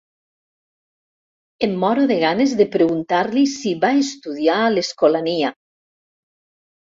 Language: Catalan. Em moro de ganes de preguntar-li si va estudiar a l'Escolania.